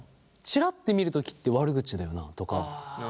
チラッて見るときって悪口だよなとか。